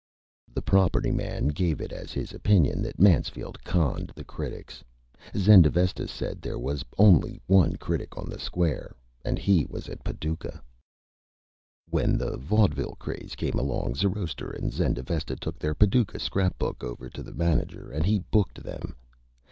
The Property Man gave it as his Opinion that Mansfield conned the Critics. Zendavesta said there was only one Critic on the Square, and he was at Paducah. When the Vodeville Craze came along Zoroaster and Zendavesta took their Paducah Scrap Book over to a Manager, and he Booked them.